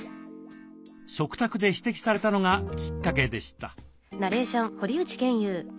食卓で指摘されたのがきっかけでした。